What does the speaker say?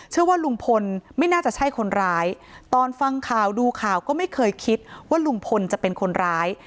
เชื่อว่าลุงพลไม่น่าจะใช่คนร้ายตอนฟังข่าวดูข่าวก็ไม่เคยคิดว่าลุงพลจะเป็นคนร้าย